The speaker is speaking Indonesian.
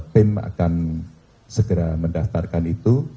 tim akan segera mendaftarkan itu